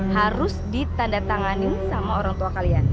harus ditanda tangani sama orang tua kalian